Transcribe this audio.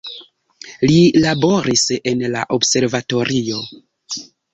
Li laboris en la observatorio.